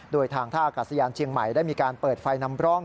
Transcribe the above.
โดยทางท่าอากาศยานเชียงใหม่ได้มีการเปิดไฟนำร่อง